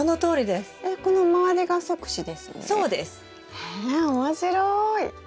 へえ面白い。